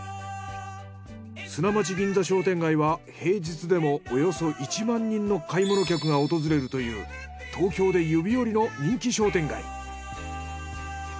砂町銀座商店街は平日でもおよそ１万人の買い物客が訪れるという東京で指折りの人気商店街。